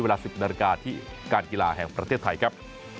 เวลา๑๐นาฬิกาที่การกีฬาแห่งประเทศไทยครับ